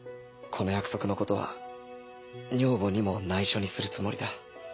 この約束の事は女房にもないしょにするつもりだ。